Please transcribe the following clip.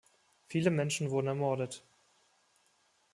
Viele Menschen wurden ermordet.